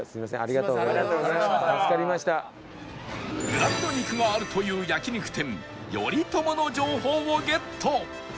ブランド肉があるという焼肉店ヨリトモの情報をゲット